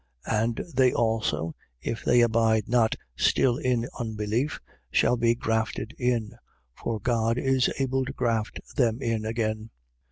And they also, if they abide not still in unbelief, shall be grafted in: for God is able to graft them in again.